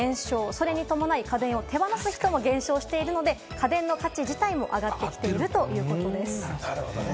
それともない家電を手放す人も減少してるので、家電の価値自体が上がっているということです。